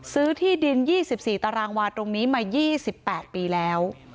ซื้อที่ดิน๒๔ตารางวาตรงนี้มา๒๘ปีแล้ว